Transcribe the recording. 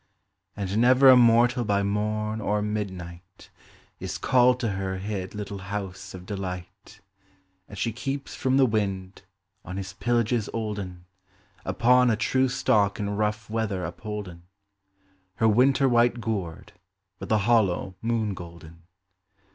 And never a mortal by morn or midnight Is called to her hid little house of delight; And she keeps from the wind, on his pillages olden, Upon a true stalk in rough weather upholden, Her winter white gourd with the hollow moon golden.